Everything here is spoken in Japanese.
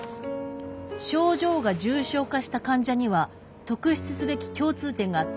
「症状が重症化した患者には特筆すべき共通点があった。